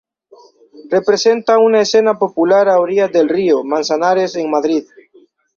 Representa una escena popular a orillas del río Manzanares en Madrid.